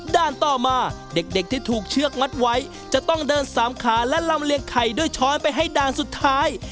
ต่อมาเด็กที่ถูกเชือกมัดไว้จะต้องเดินสามขาและลำเลียงไข่ด้วยช้อนไปให้ด่านสุดท้าย